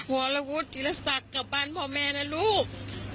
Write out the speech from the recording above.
วรวุฒิจิรษักกลับบ้านพ่อแม่นะลูก